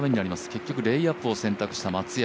結局レイアップを選択した松山。